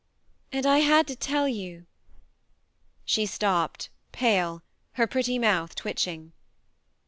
And I had to tell you " She stopped, pale, her pretty mouth twitching.